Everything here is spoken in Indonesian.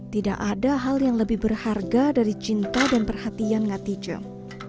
tidak ada hal yang lebih berharga dari cinta dan perhatian ngati jom